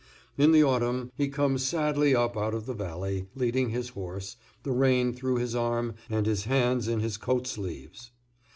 In the autumn he comes sadly up out of the valley, leading his horse, the rein through his arm and his hands in his coat sleeves.